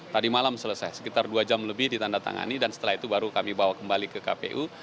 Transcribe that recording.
tadi malam selesai sekitar dua jam lebih ditandatangani dan setelah itu baru kami bawa kembali ke kpu